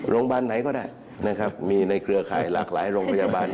โรงพยาบาลไหนก็ได้นะครับมีในเครือข่ายหลากหลายโรงพยาบาล